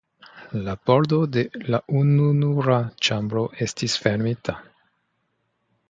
La pordo de la ununura ĉambro estis fermita.